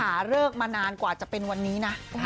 เลิกมานานกว่าจะเป็นวันนี้นะ